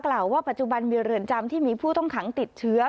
กล่าวว่าปัจจุบันมีเรือนจำที่มีผู้ต้องขังติดเชื้อ